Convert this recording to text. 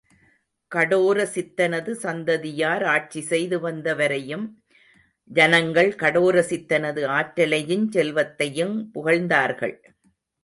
கடோர சித்தனது சந்ததியார் ஆட்சி செய்து வந்த வரையும் ஜனங்கள் கடோரசித்தனது ஆற்றலையுஞ் செல்வத்தையும் புகழ்ந்தார்கள்.